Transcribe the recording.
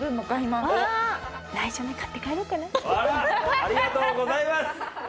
ありがとうございます。